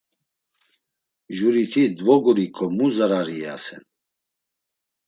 Juriti dvoguriǩo mu zarari iyasen?